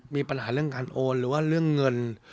มีปัญหาเรื่องการโอนหรือว่าเรื่องเงิน